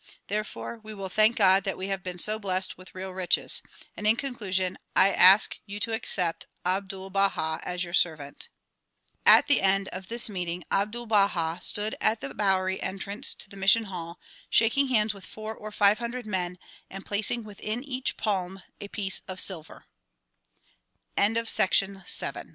Therefore we will thank God that we have been so blest with real riches. And in conclusion I ask you to accept Abdul Baha as your servant. At the end of this meeting, Ahdul Balm stood at the Bowery entrance to the Mission hall shaking hands u'ith four or five hun dred men and placing within ea